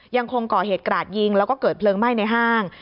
ยังคงก่อเหตุกราดยิงแล้วก็เกิดเพลิงไหม้ในห้าง